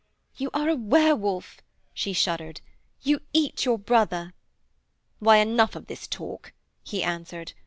'You are a werewolf,' she shuddered; 'you eat your brother.' 'Why, enough of this talk,' he answered.